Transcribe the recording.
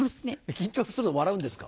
緊張すると笑うんですか？